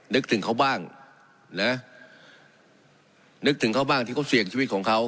นึกถึงเขาบ้างนะนึกถึงเขาบ้างที่เขาเสี่ยงชีวิตของเขา